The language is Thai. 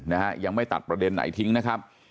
นะฮะยังไม่ตัดประเด็นไหนทิ้งนะครับ